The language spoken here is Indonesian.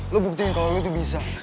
lo buktiin kalau lo tuh bisa